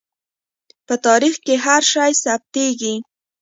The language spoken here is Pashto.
په تاریخ کې هر شی ثبتېږي.